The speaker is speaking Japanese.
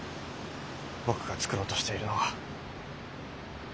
僕が創ろうとしているのは。